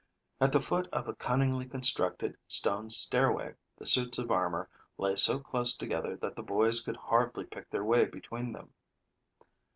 At the foot of a cunningly constructed stone stairway, the suits of armor lay so close together that the boys could hardly pick their way between them.